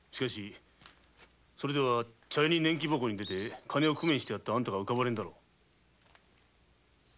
それでは茶屋に年期奉公に出て金を工面してやったあんたが浮かばれんだろう。